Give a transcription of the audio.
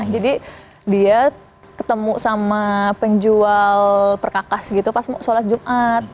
jadi dia ketemu sama penjual perkakas gitu pas mau sholat jumat